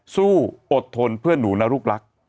อดทนเพื่อนหนูนะลูกรัก